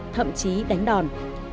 thậm chí đánh đòn